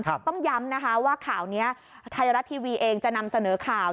ต้องย้ำนะคะว่าข่าวนี้ไทยรัฐทีวีเองจะนำเสนอข่าว